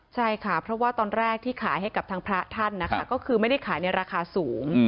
ใช่ค่ะเพราะว่าตอนแรกที่ขายให้กับทางพระท่านนะคะก็คือไม่ได้ขายในราคาสูง